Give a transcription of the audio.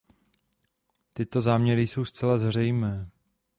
Tyto záměry jsou zcela zřejmé.